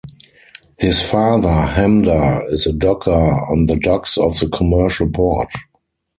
His father Hamda is a docker on the docks of the commercial port.